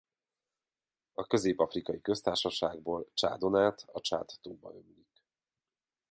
A Közép-afrikai Köztársaságból Csádon át a Csád-tóba ömlik.